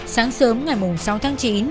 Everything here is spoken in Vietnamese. sáng sớm ngày sáu tháng chín